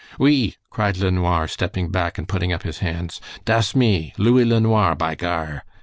"Oui!" cried LeNoir, stepping back and putting up his hands, "das me; Louis LeNoir! by Gar!"